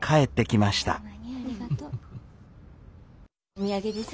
お土産です。